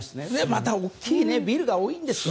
また大きいビルが多いんです。